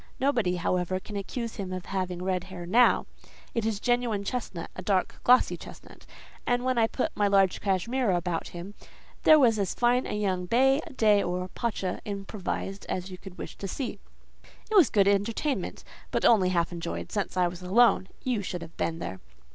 Nobody, however, can accuse him of having red hair now—it is genuine chestnut—a dark, glossy chestnut; and when I put my large cashmere about him, there was as fine a young bey, dey, or pacha improvised as you would wish to see. "It was good entertainment; but only half enjoyed, since I was alone: you should have been there.